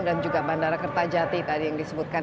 dan juga bandara kertajati tadi yang disebutkan